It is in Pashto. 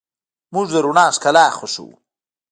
موږ د رڼا ښکلا خوښو.